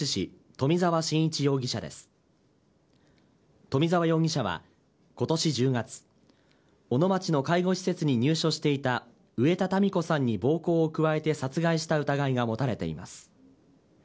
冨澤容疑者は今年１０月小野町の介護施設に入所していた植田タミ子さんに暴行を加えて殺害した疑いが持たれています。